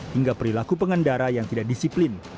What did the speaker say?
hingga perilaku pengendara yang tidak disiplin